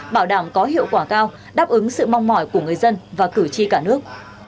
bảo đảm có hiệu quả cao đáp ứng sự mong mỏi của người dân và cử tri cả nước